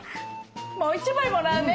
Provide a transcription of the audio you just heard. もう１枚もらうね。